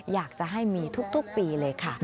อยากจะให้มีทุกปีเลยค่ะ